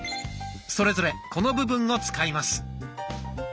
それぞれこの部分を使います。